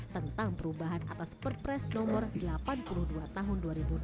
tentang perubahan atas perpres nomor delapan puluh dua tahun dua ribu dua puluh